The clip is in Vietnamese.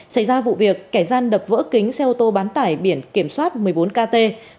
xảy ra vụ việc kẻ gian đập vỡ kính xe ô tô bán tải biển kiểm soát một mươi bốn kt ba trăm một mươi tám